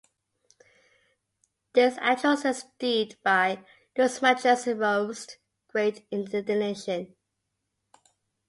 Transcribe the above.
This atrocious deed by Lysimachus aroused great indignation.